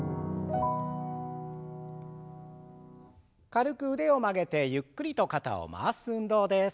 軽く腕を曲げてゆっくりと肩を回す運動です。